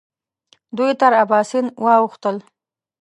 دوی تر اباسین واوښتل.